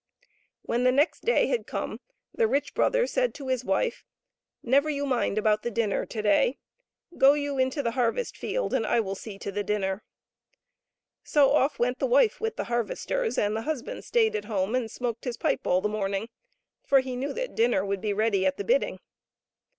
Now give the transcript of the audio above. When the next day had come, the rich brother said to his wife, " Never you mind about the dinner to day. Go you into the harvest field, and I will see to the dinner." So off went the wife with the harvesters, and the husband stayed at home and smoked his pipe all the morning, for he knew that dinner would be ready at the bidding.